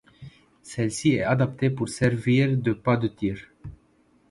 Celle-ci est adaptée pour servir de pas de tir.